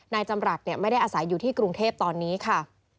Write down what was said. นายจำรัฐไม่ได้อาศัยอยู่ที่กรุงเทพตอนนี้ค่ะ